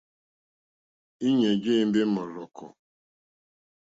Íɲá jé ěmbé mɔ́rzɔ̀kɔ̀.